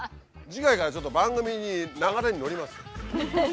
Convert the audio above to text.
次回からちょっと番組に流れに乗ります。